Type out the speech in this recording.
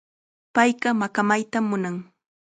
Payqa maqamaytam munan.